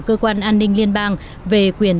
cơ quan an ninh liên bang về quyền